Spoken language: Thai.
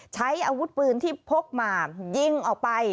ใช้อาวุธปืนที่พกมายิงออกไป